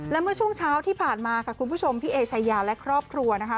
และเมื่อช่วงเช้าที่ผ่านมาค่ะคุณผู้ชมพี่เอชายาและครอบครัวนะคะ